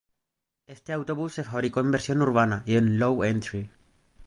Este autobús se fabricó en versión urbana y low-entry.